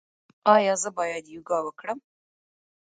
ایا زه باید یوګا وکړم؟